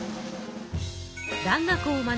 蘭学を学び